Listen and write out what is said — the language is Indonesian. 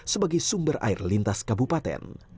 sebagai sumber air lintas kabupaten